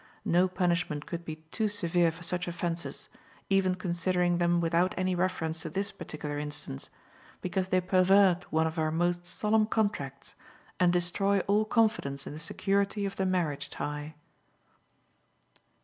No punishment could be too severe for such offenses, even considering them without any reference to this particular instance, because they pervert one of our most solemn contracts, and destroy all confidence in the security of the marriage tie.